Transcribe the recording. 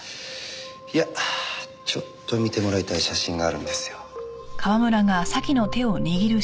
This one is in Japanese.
いやちょっと見てもらいたい写真があるんですよ。